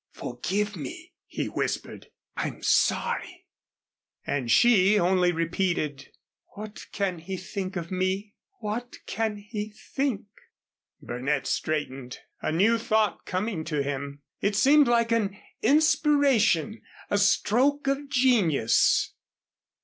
"Forgive me," he whispered. "I'm sorry." And she only repeated. "What can he think of me? What can he think?" Burnett straightened, a new thought coming to him. It seemed like an inspiration a stroke of genius.